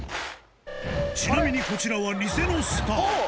ちなみに、こちらは偽のスター。